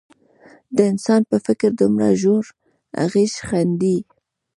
د انسان په فکر دومره ژور اغېز ښندي.